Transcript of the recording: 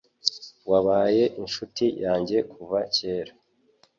Wabaye inshuti yanjye kuva kera.